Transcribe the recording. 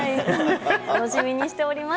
楽しみにしております。